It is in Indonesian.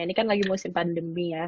ini kan lagi musim pandemi ya